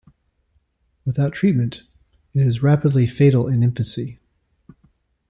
Without treatment, it is rapidly fatal in infancy.